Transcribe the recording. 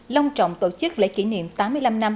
long trọng tổ chức lễ kỷ niệm tám mươi năm năm